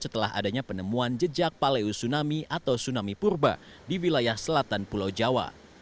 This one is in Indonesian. setelah adanya penemuan jejak paleo tsunami atau tsunami purba di wilayah selatan pulau jawa